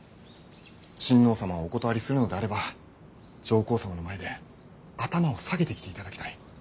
親王様をお断りするのであれば上皇様の前で頭を下げてきていただきたい。